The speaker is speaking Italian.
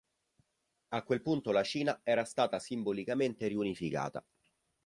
A quel punto la Cina era stata simbolicamente riunificata